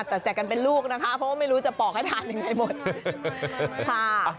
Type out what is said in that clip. แต่แจกกันเป็นลูกนะคะเพราะว่าไม่รู้จะปอกให้ทานยังไงหมดค่ะ